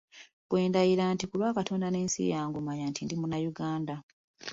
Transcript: Bwe ndayira nti, ῝Ku lwa Katonda n'ensi yange, ” omanya nti ndi Munnayuganda.